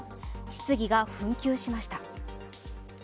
質疑が紛糾しました。